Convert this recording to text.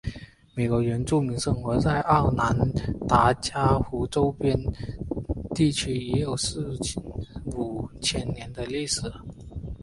美国原住民生活在奥农达伽湖周边地区已有四五千年的历史。